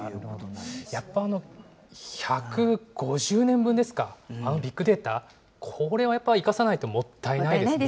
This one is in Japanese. やっぱ、１５０年分ですか、あのビッグデータ、これはやっぱり生かさないともったいないですね。